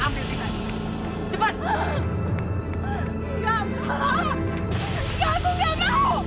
ambil tinta sekarang juga ayo cepat